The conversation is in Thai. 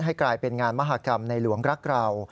กลายเป็นงานมหากรรมในหลวงรักเรา